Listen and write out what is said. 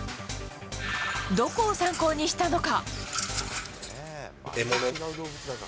どこを参考にしたのか。